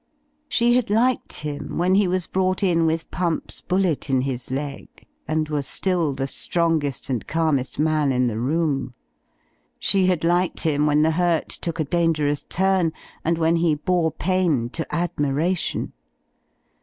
» She had liked him when he was brought in with! Pump's bullet in his leg; and was still the strongest and calmest man in the room. She had liked him when the hurt took a dangerous turn, and when he ^ bore pain to admiration.